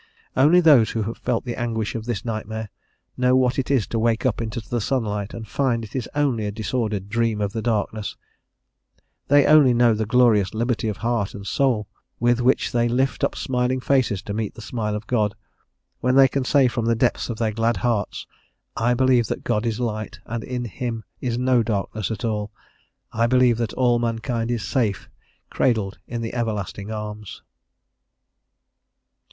Only those who have felt the anguish of this nightmare know what it is to wake up into the sunlight, and find it is only a disordered dream of the darkness; they only know the glorious liberty of heart and soul, with which they lift up smiling faces to meet the smile of God, when they can say from the depths of their glad hearts, "I believe that God is Light, and in Him is no darkness at all; I believe that all mankind is safe, cradled in the everlasting arms."